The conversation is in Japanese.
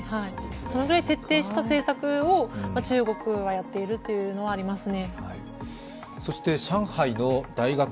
そのぐらい徹底した政策を中国はやっているというのはありますね。